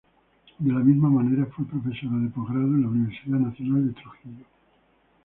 De la misma manera, fue profesora de postgrado en la Universidad Nacional de Trujillo.